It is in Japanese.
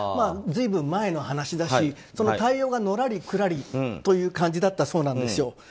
ずいぶん前の話だし対応が、のらりくらりという感じだったそうなんですよ。